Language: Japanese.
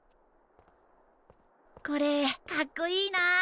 これかっこいいなあ。